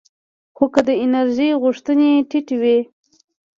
خو که د انرژۍ غوښتنې ټیټې وي